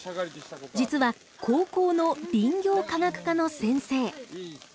実は高校の林業科学科の先生。